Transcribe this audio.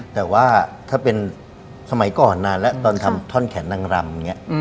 แต่ว่าถ้าเป็นสมัยก่อนนานแล้วตอนทำท่อนแขนนางรำอย่างนี้